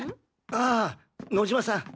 ああ野嶋さん